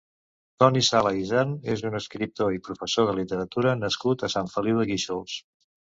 Toni Sala Isern és un escriptor i professor de literatura nascut a Sant Feliu de Guíxols.